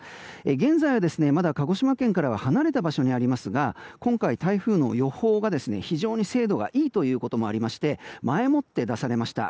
現在は、まだ鹿児島県から離れた場所にありますが今回、台風の予報が非常に精度がいいということもありまして前もって出されました。